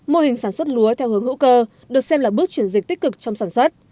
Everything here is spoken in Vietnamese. mô hình sản xuất lúa theo hướng hữu cơ được xem là bước chuyển dịch tích cực trong sản xuất